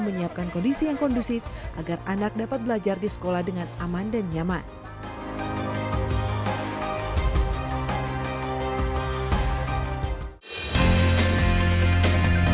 menyiapkan kondisi yang kondusif agar anak dapat belajar di sekolah dengan aman dan nyaman